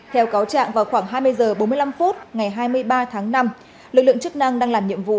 theo cáo trạng vào khoảng hai mươi h bốn mươi năm phút ngày hai mươi ba tháng năm lực lượng chức năng đang làm nhiệm vụ